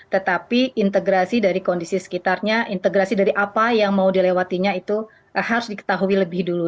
tetapi integrasi dari kondisi sekitarnya integrasi dari apa yang mau dilewatinya itu harus diketahui lebih dulu